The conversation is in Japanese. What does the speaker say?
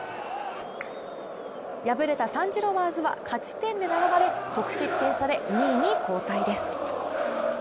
敗れたサン＝ジロワーズは勝ち点で並ばれ、得失点差で２位に後退です。